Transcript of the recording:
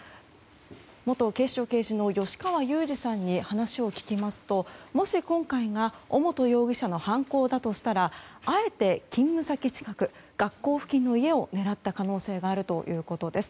元警視庁刑事の吉川祐二さんに話を聞きますともし今回が尾本容疑者の犯行だとしたらあえて勤務先近く学校付近の家を狙った可能性があるということです。